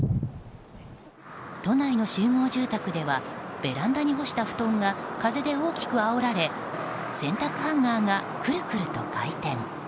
都内の集合住宅ではベランダに干した布団が風で大きくあおられ洗濯ハンガーがクルクルと回転。